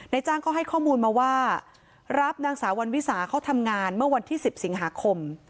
จ้างเขาให้ข้อมูลมาว่ารับนางสาววันวิสาเขาทำงานเมื่อวันที่๑๐สิงหาคม